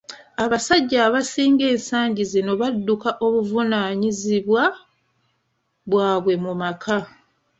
Abasajja abasinga ensagi zino badduka obuvunaanyizibwa bwabwe mu maka.